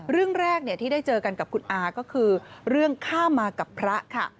เรื่องแรกที่ได้เจอกันกับคุณอาก็คือเรื่องข้ามมากับพระค่ะ